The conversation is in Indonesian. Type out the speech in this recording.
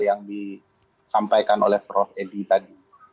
yang disampaikan oleh prof edi tadi